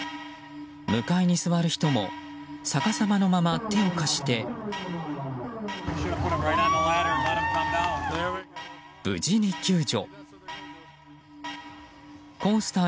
向かいに座る人も逆さまのまま手を貸して無事に救助。